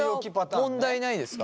それは問題ないですか？